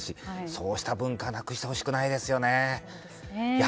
そうした文化をなくしてほしくないですね。